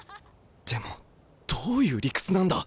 でもどういう理屈なんだ。